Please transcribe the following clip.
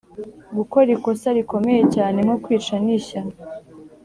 gukora ikosa rikomeye cyane, nko kwica ni ishyano